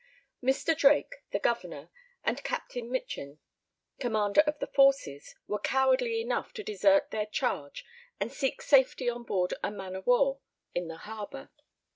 Mr. Drake, the governor, and Captain Michin, commander of the forces, were cowardly enough to desert their charge and seek safety on board a man of war in the harbour.